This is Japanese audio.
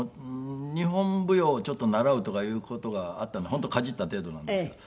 日本舞踊をちょっと習うとかいう事があったんで本当かじった程度なんですけど。